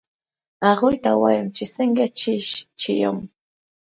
هغوی ته وایم چې څنګه چې یم